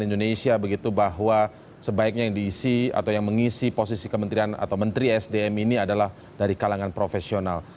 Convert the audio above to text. indonesia begitu bahwa sebaiknya yang diisi atau yang mengisi posisi kementerian atau menteri sdm ini adalah dari kalangan profesional